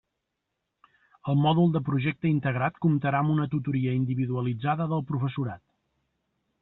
El mòdul de Projecte Integrat comptarà amb una tutoria individualitzada del professorat.